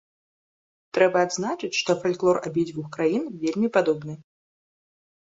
Трэба адзначыць, што фальклор абедзвюх краін вельмі падобны.